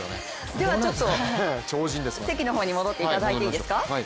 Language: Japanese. では席の方に戻っていただいていいですか。